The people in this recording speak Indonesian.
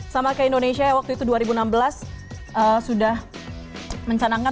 sama ke indonesia waktu itu dua ribu enam belas sudah mencanangkan